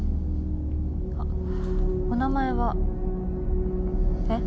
あっお名前は？えっ？